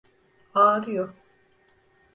Ağrıyor.